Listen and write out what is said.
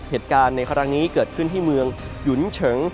เหตุการณ์ในครั้งนี้เกิดขึ้นที่เมืองหยุนเฉิง